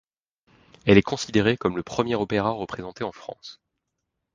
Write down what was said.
Elle est considérée comme le premier opéra représenté en France.